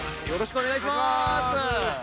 よろしくお願いします！